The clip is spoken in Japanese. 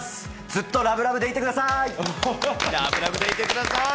ずっとラブラブでいてください。